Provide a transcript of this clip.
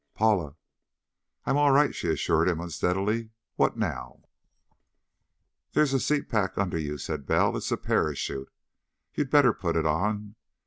"Paula?" "I am all right," she assured him unsteadily. "What now?" "There's a seat pack under you," said Bell. "It's a parachute. You'd better put it on.